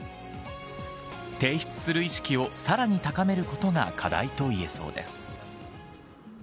提出する意識をさらに高めることが課題といえそうです。